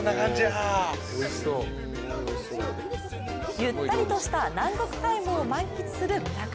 ゆったりとした南国タイムを満喫する村上。